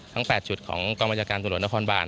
๘จุดของกองบัญชาการตรวจนครบาน